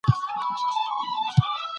غازي امان الله خان د ښځو د حقونو سمبول سو.